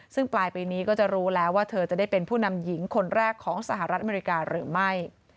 ซึ่งปลายปีนี้ก็จะรู้แล้วว่าเธอจะได้เป็นผู้นำหญิงคนแรกของสหรัฐอเมริกาหรือไม่